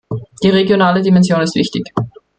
Die regionale Dimension ist wichtig.